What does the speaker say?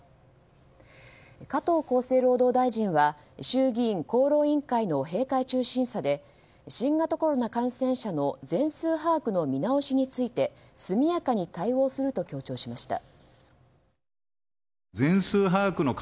加藤厚生労働大臣は衆議院厚労委員会の閉会中審査で新型コロナ感染者の全数把握の見直しについて速やかに対応すると強調しました。